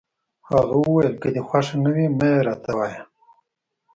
هغه وویل: که دي خوښه نه وي، مه يې راته وایه.